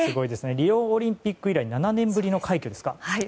リオオリンピック以来７年ぶりの快挙ですか。